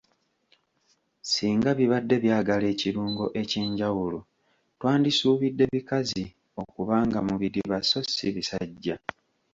Singa bibadde byagala ekirungo ekyenjawulo, twandisuubidde bikazi okubanga mu bidiba so ssi bisajja.